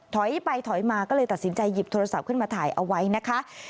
ถอยไปถอยมาก็เลยตัดสินใจหยิบโทรศัพท์ขึ้นมาถ่ายเอาไว้นะคะ